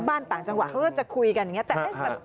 ต่างจังหวัดเขาก็จะคุยกันอย่างนี้